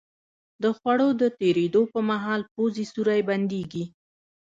د خوړو د تېرېدو په مهال پوزې سوری بندېږي.